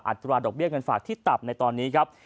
อัตราดอกเบี้ยเงินฝากที่ต่ำในตอนนี้ครับ